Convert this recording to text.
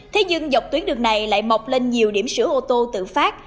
thế nhưng dọc tuyến đường này lại mọc lên nhiều điểm sửa ô tô tự phát